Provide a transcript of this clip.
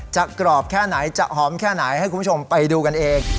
กรอบแค่ไหนจะหอมแค่ไหนให้คุณผู้ชมไปดูกันเอง